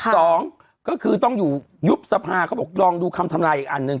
สองก็คือต้องอยู่ยุบสภาเขาบอกลองดูคำทำลายอีกอันหนึ่ง